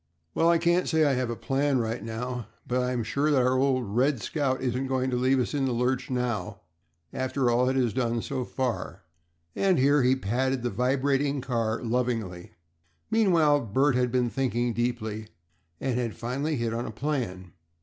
"Well, I can't say I have a plan right now, but I'm sure that our old 'Red Scout' isn't going to leave us in the lurch now after all it has done so far," and here he patted the vibrating car lovingly. Meanwhile Bert had been thinking deeply, and had finally hit on a plan.